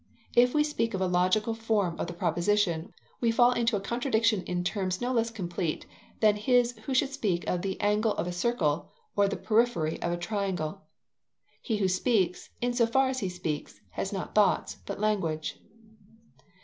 "If we speak of a logical form of the proposition, we fall into a contradiction in terms not less complete than his who should speak of the angle of a circle, or of the periphery of a triangle." He who speaks, in so far as he speaks, has not thoughts, but language.